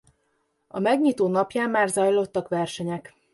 A megnyitó napján már zajlottak versenyek.